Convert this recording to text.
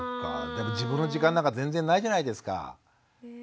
でも自分の時間なんか全然ないじゃないですか。